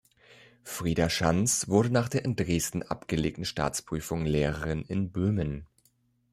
Frida Schanz wurde nach der in Dresden abgelegten Staatsprüfung Lehrerin in Böhmen.